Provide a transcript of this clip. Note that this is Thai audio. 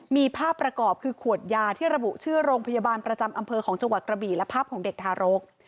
มีภาพประกอบคือขวดยาที่ระบุชื่อโรงพยาบาลประจำอำเภอของจังหวัดกระบี่และภาพของเด็กทารก